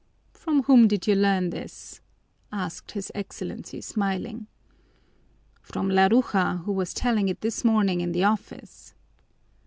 "From whom did you learn this?" asked his Excellency, smiling. "From Laruja, who was telling it this morning in the office."